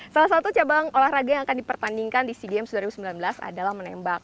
salah satu cabang olahraga yang akan dipertandingkan di sea games dua ribu sembilan belas adalah menembak